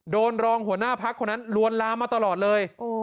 รองหัวหน้าพักคนนั้นลวนลามมาตลอดเลย